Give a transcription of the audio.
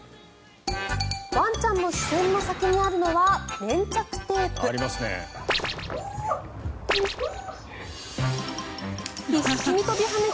ワンちゃんの視線の先にあるのは粘着テープ。ありますね。